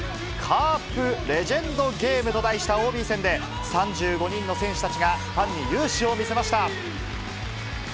カープレジェンドゲームと題したＯＢ戦で、３５人の選手たちがファンに雄姿を見せました。